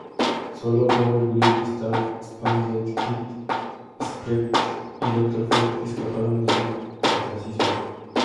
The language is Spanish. Sólo Power Girl, Star-Spangled Kid, Spectre y Dr. Fate escaparon del cataclismo.